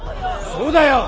そうだよ！